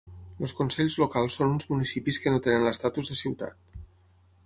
Els consells locals són uns municipis que no tenen l'estatus de ciutat.